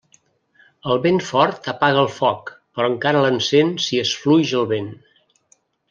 El vent fort apaga el foc, però encara l'encén si és fluix el vent.